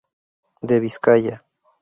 De Vizcaya.